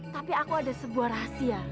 tapi aku ada sebuah rahasia